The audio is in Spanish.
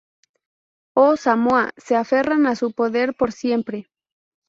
Oh, Samoa, se aferran a su poder por siempre.